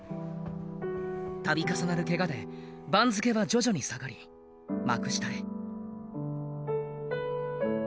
度重なるケガで番付は徐々に下がり幕下へ。